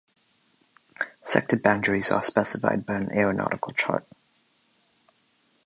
Sector boundaries are specified by an aeronautical chart.